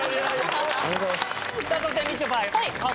さあそしてみちょぱ。